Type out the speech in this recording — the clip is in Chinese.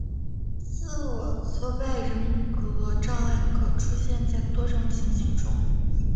自我挫败人格障碍可出现在多种情形中。